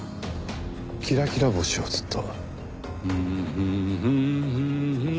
『きらきら星』をずっと。